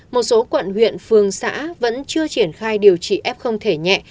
một số quận huyện phường xã vẫn chưa triển khai điều trị f thể nhẹ